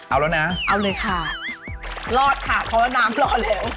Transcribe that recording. เอาแล้วนะเอาเลยค่ะรอดค่ะเพราะว่าน้ำรอดแล้ว